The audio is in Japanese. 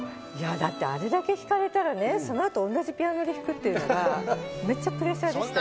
だってあれだけ弾かれたらね、そのあと同じピアノで弾くっていうのはめっちゃプレッシャーでした。